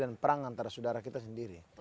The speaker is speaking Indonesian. dan perang antara saudara kita sendiri